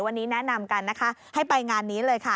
วันนี้แนะนำกันนะคะให้ไปงานนี้เลยค่ะ